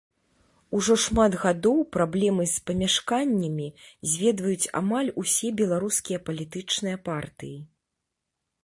Ужо шмат гадоў праблемы з памяшканнямі зведваюць амаль усе беларускія палітычныя партыі.